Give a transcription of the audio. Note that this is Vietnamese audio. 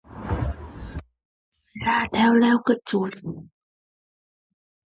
Gọi là “thèo lèo cứt chuột”